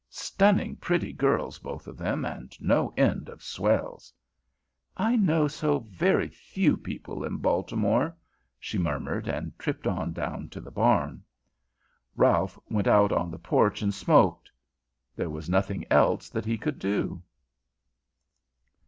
Stunning pretty girls, both of them, and no end of swells." "I know so very few people in Baltimore," she murmured, and tripped on down to the barn. Ralph went out on the porch and smoked. There was nothing else that he could do.